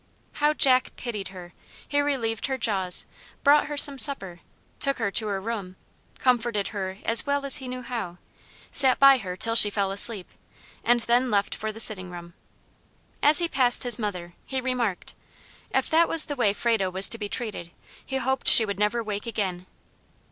How Jack pitied her! He relieved her jaws, brought her some supper, took her to her room, comforted her as well as he knew how, sat by her till she fell asleep, and then left for the sitting room. As he passed his mother, he remarked, "If that was the way Frado was to be treated, he hoped she would never wake again!"